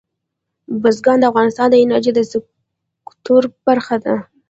بزګان د افغانستان د انرژۍ د سکتور برخه ده.